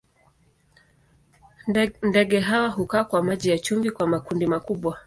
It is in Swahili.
Ndege hawa hukaa kwa maji ya chumvi kwa makundi makubwa.